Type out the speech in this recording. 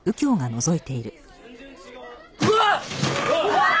うわっ！